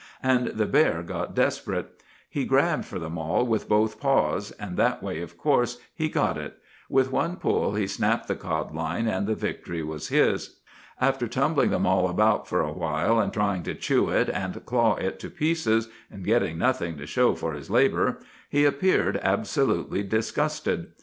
And the bear got desperate. He grabbed for the mall with both paws; and that way, of course, he got it. With one pull he snapped the codline, and the victory was his. "'After tumbling the mall about for a while, trying to chew it and claw it to pieces, and getting nothing to show for his labor, he appeared absolutely disgusted.